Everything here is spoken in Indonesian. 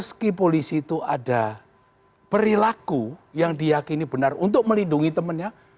jadi polisi itu ada perilaku yang diyakini benar untuk melindungi temennya